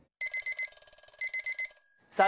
さあ